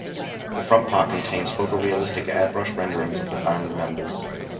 The front part contains photorealistic airbrushed renderings of the band members.